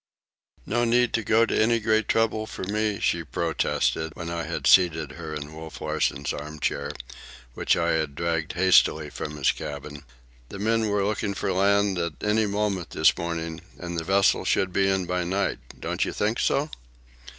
"No need to go to any great trouble for me," she protested, when I had seated her in Wolf Larsen's arm chair, which I had dragged hastily from his cabin. "The men were looking for land at any moment this morning, and the vessel should be in by night; don't you think so?"